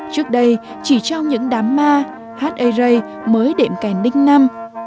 trước đây chỉ trong những đám ma hát ây rây mới đệm kèn đinh năm